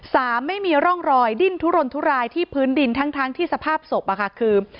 ไม่มีร่องรอยดิ้นทุรนทุรายที่พื้นดินทั้งทั้งที่สภาพศพคือ